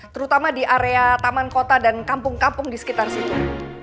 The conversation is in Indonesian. terutama di area taman kota dan kampung kampung di sekitar situ